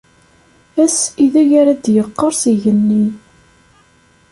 Ass ideg ara d-yeqqeṛṣ igenni.